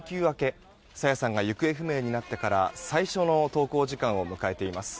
朝芽さんが行方不明になってから最初の登校時間を迎えています。